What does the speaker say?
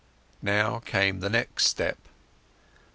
Now came the next step.